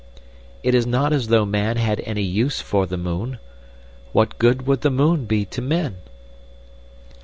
It is not as though man had any use for the moon. What good would the moon be to men?